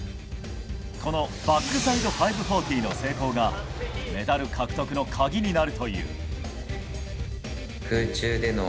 このバックサイド５４０の成功がメダル獲得の鍵になる。